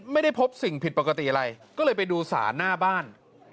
ไม่ได้พบสิ่งผิดปกติอะไรก็เลยไปดูสารหน้าบ้าน